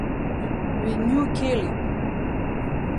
We knew Kelley.